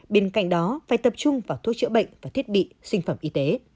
bên cạnh đó phải tập trung vào thuốc chữa bệnh và thiết bị sinh phẩm y tế